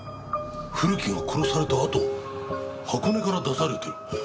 古木が殺されたあと箱根から出されてる。